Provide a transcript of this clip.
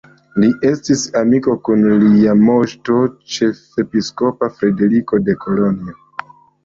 Li estis amiko kun lia moŝto ĉefepiskopa Frederiko de Kolonjo.